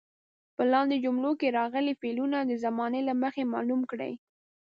په لاندې جملو کې راغلي فعلونه د زمانې له مخې معلوم کړئ.